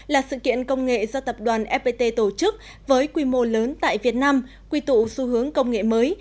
là sự kiện công nghệ do tập đoàn fpt tổ chức với quy mô lớn tại việt nam quy tụ xu hướng công nghệ mới